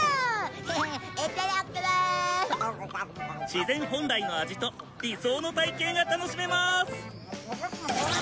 自然本来の味と理想の体形が楽しめまーす！